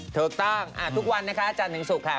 ถูกต้องทุกวันนะคะอาจารย์ถึงศุกร์ค่ะ